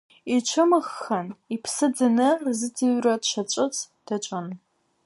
Ицәымыӷхан, иԥсы ӡаны рзыӡырҩра дшаҿыц даҿын.